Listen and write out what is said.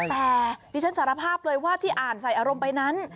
แต่ดิฉันสารภาพเลยว่าที่อ่านใส่อารมณ์ไปนั้น